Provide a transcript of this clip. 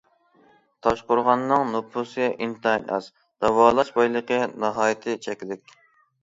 تاشقورغاننىڭ نوپۇسى ئىنتايىن ئاز، داۋالاش بايلىقى ناھايىتى چەكلىك.